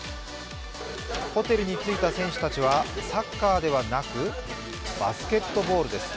ホテルに着いた選手たちはサッカーではなく、バスケットボールです。